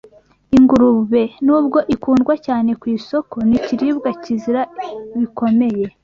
Ingurube, nubwo ikundwa cyane ku isoko, ni ikiribwa kizira bikomeye.